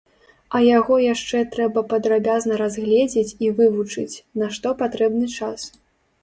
А яго яшчэ трэба падрабязна разгледзець і вывучыць, на што патрэбны час.